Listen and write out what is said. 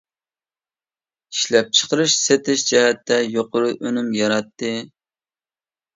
ئىشلەپچىقىرىش، سېتىش جەھەتتە يۇقىرى ئۈنۈم ياراتتى.